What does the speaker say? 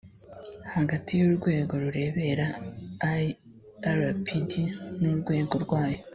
hagati y’urwego rureberera ilpd n’urwego rwayo